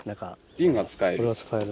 瓶が使える。